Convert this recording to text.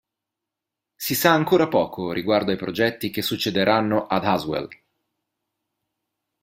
Si sa ancora poco riguardo ai progetti che succederanno ad Haswell.